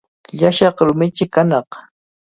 Llasaq rumichi kanaq.